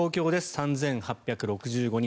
３８６５人。